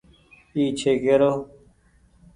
اي ڇي ڪيرو ۔